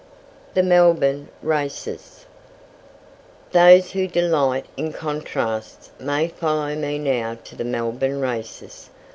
THE MELBOURNE RACES. Those who delight in contrasts may follow me now to the Melbourne Races.